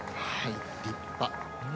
立派。